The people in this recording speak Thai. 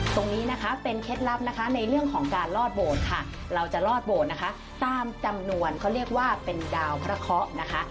ตรงนี้นะคะเป็นเคล็ดลับนะคะในเรื่องของการลอดโบสถ์ค่ะเราจะลอดโบสถ์นะคะตามจำนวนเขาเรียกว่าเป็นดาวพระเคาะนะคะ